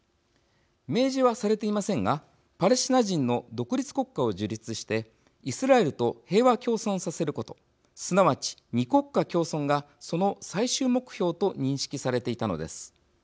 明示はされていませんがパレスチナ人の独立国家を樹立してイスラエルと平和共存させることすなわち、２国家共存がその最終目標と認識されていたのです。